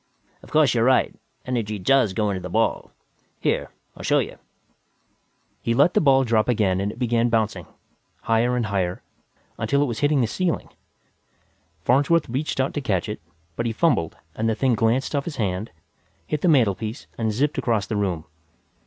Of course you're right; energy does go into the ball. Here, I'll show you." He let the ball drop again and it began bouncing, higher and higher, until it was hitting the ceiling. Farnsworth reached out to catch it, but he fumbled and the thing glanced off his hand, hit the mantelpiece and zipped across the room.